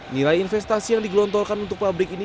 nilai investasi yang digelontorkan untuk pabrik smk adalah